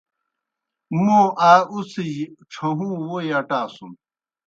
موں آ اُڅِھجیْ ڇھہُوں ووئی اٹاسُن۔